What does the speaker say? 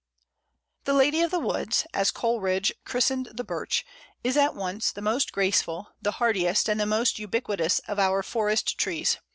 "The Lady of the Woods," as Coleridge christened the Birch, is at once the most graceful, the hardiest, and the most ubiquitous of our forest trees.